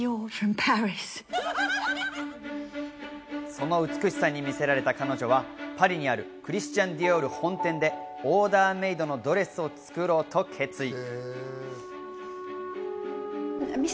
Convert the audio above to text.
その美しさに魅せられた彼女はパリにあるクリスチャン・ディオール本店でオーダーメードのドレスを作ろうと決意。